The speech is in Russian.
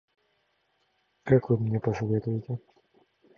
Как вы мне посоветуете?